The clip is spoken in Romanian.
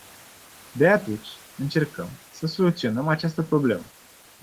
De atunci, încercăm să soluționăm această problemă.